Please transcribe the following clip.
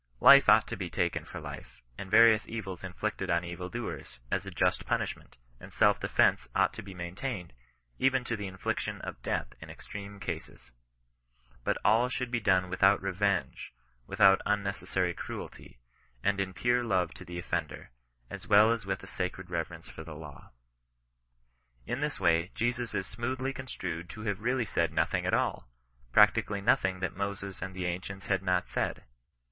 Life ought to be taken for life, and various evils inflicted on evil doers, as a just punishment ; and self defence ought to be maintained^ even to the infliction of death in extreme CHRISTIAN NON BBSISTAHCE. 25 i; but all i^ould be done without reveng€^ without unneoessarj cruelty, and in pwrt love to the offimder, 88 well as with a sacred reverence for the law.*' In this way Jesus is smoothly construed to have really said nothing at all — practiodly nothing that Moses and the ancients had not said.